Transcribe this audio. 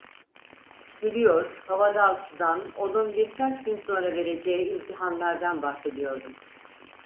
Gülüyor, havadan sudan, onun birkaç gün sonra vereceği imtihanlardan bahsediyordum.